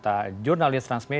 di bicara lokasi pertama